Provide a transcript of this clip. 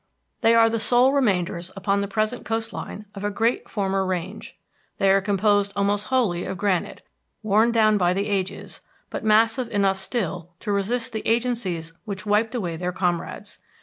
They are the sole remainders upon the present coast line of a great former range. They are composed almost wholly of granite, worn down by the ages, but massive enough still to resist the agencies which wiped away their comrades.